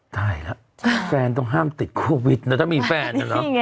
ได้แล้วแฟนต้องห้ามติดโควิดนะถ้ามีแฟน